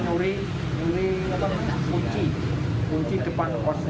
lalu nyuri kunci depan kosnya